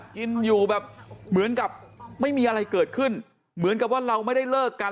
กินอยู่แบบเหมือนกับไม่มีอะไรเกิดขึ้นเหมือนกับว่าเราไม่ได้เลิกกัน